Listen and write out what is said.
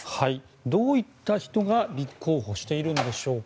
どういった人が立候補しているんでしょうか。